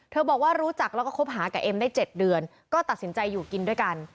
บอกว่ารู้จักแล้วก็คบหากับเอ็มได้๗เดือนก็ตัดสินใจอยู่กินด้วยกัน